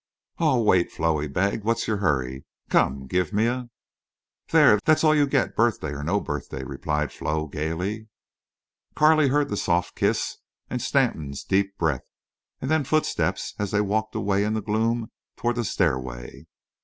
"Aw, wait—Flo," he begged. "What's your hurry?... Come give me—" "There! That's all you get, birthday or no birthday," replied Flo, gayly. Carley heard the soft kiss and Stanton's deep breath, and then footsteps as they walked away in the gloom toward the stairway.